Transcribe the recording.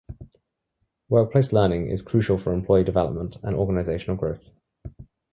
Workplace learning is crucial for employee development and organizational growth.